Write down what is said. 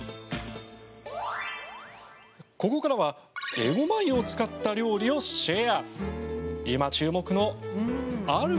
ここからは、えごま油を使った料理をシェア。